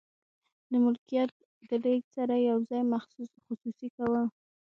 د ملکیت د لیږد سره یو ځای خصوصي کول.